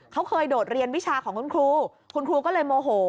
เขาเคยโดดเรียนวิชาของคุณครูคุณครูก็เลยโมโห